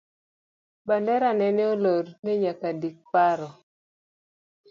Bendera nene olor, ni nyaka dik paro